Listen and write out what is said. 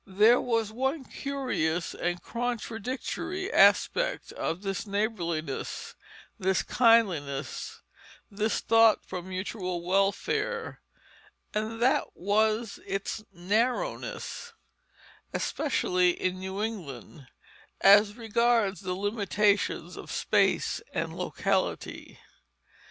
There was one curious and contradictory aspect of this neighborliness, this kindliness, this thought for mutual welfare, and that was its narrowness, especially in New England, as regards the limitations of space and locality.